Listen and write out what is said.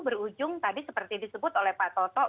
berujung tadi seperti disebut oleh pak toto